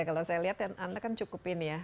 kalau saya lihat anda kan cukup ini ya